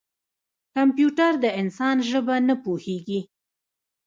کمپیوټر د انسان ژبه نه پوهېږي.